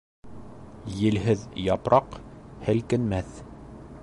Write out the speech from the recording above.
Елһеҙ япраҡ һелкенмәҫ.